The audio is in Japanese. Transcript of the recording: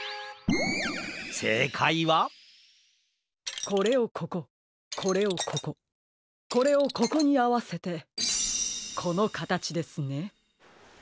せいかいはこれをこここれをこここれをここにあわせてこのかたちですね。